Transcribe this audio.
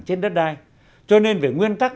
trên đất đai cho nên về nguyên tắc